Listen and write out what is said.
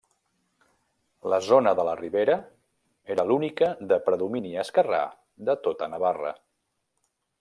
La zona de la Ribera era l'única de predomini esquerrà de tota Navarra.